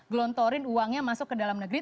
gelontorin uangnya masuk ke dalam negeri